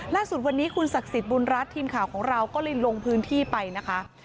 ล่าสุดวันนี้คุณศักดิ์สิทธิ์บุญรัฐทีมข่าวของเราก็เลยลงพื้นที่ไปนะคะ